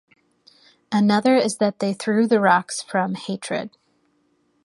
Another is that they threw the rocks from hatred.